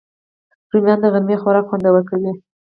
رومیان د غرمې خوراک خوندور کوي